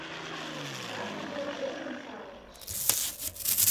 Садыже ӧрын савырныш: